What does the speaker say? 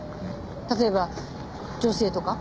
例えば女性とか。